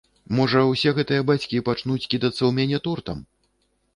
Можа, усе гэтыя бацькі пачнуць кідацца ў мяне тортам?